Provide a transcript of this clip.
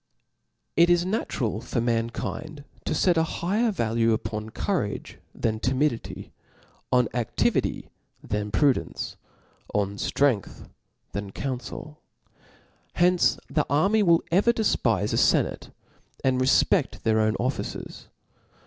It is natural for mankind to fet a higher vajue upon courage than timidity, on adivity than pru dence, on ftrcngth than counfel. Hence the army v(tll ever defpife a fenate, and refped their own of ficers.